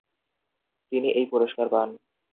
তিনি এই পুরস্কার পান।